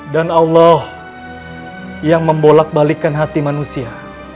dan allah yang membolak balikan hati manusia